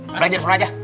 belajar suara aja